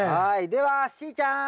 ではしーちゃん！